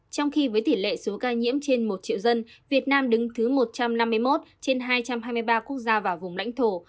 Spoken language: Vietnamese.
trong khi với tỷ lệ số ca nhiễm trên một triệu dân việt nam đứng thứ một trăm năm mươi một trên hai trăm hai mươi ba quốc gia và vùng lãnh thổ